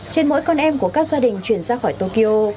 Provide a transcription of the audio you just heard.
trên mỗi con em của các gia đình chuyển ra khỏi tokyo